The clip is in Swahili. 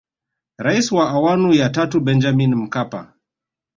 Rais wa awamu ya tatu Benjamin Mkapa